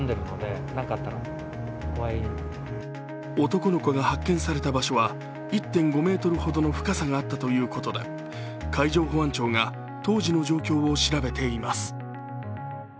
男の子が発見された場所は１．５ｍほどの深さがあったということで海上保安庁が当時の状況を調べています。